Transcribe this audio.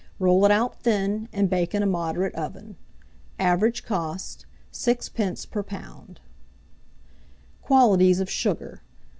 Roll it out thin, and bake in a moderate oven. Average cost, 6d. per lb. QUALITIES OF SUGAR.